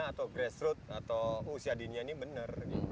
atau grassroot atau usia dinia ini benar